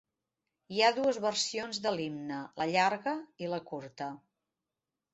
Hi ha dues versions de l'himne: la llarga i la curta.